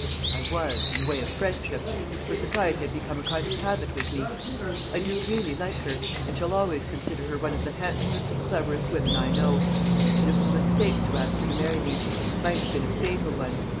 "I was in the way of friendship. Her society had become a kind of habit with me. I do really like her, and shall always consider her one of the handsomest and cleverest women I know; but it was a mistake to ask her to marry me, and might have been a fatal one.